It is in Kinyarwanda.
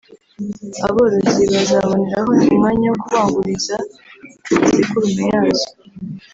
aborozi bazaboneraho umwanya wo kubanguriza ku masekurume yazo